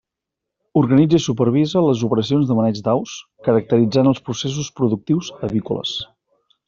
Organitza i supervisa les operacions de maneig d'aus, caracteritzant els processos productius avícoles.